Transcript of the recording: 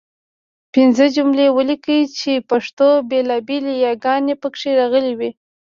پنځه جملې ولیکئ چې پښتو بېلابېلې یګانې پکې راغلي وي.